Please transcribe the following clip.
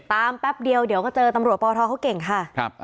แป๊บเดียวเดี๋ยวก็เจอตำรวจปทเขาเก่งค่ะ